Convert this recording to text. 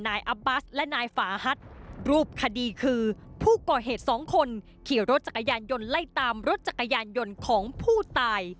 นายอับบัสและนายฝาฮัทรูปคดีคือผู้ก่อเหตุสองคนขี่รถจักรยานยนต์ไล่ตามรถจักรยานยนต์ของผู้ตาย